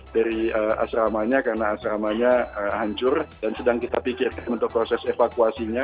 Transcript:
dari asramanya karena asramanya hancur dan sedang kita pikirkan untuk proses evakuasinya